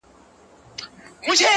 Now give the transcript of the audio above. والاشان او عالیشان دي مقامونه!!